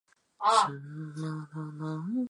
学院亦提供其他学习机会如各类不同之课程。